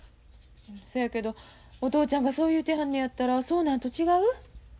そやけどお父ちゃんがそう言うてはんねやったらそうなんと違う？